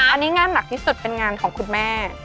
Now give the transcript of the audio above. อันนี้งานหนักที่สุดเป็นงานของคุณแม่